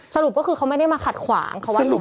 สรุปก็คือเขาไม่ได้มาขัดขวางเขาว่าหนู